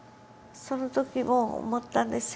その時も思ったんです。